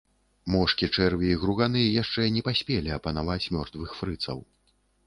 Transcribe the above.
Мошкі, чэрві і груганы яшчэ не паспелі апанаваць мёртвых фрыцаў.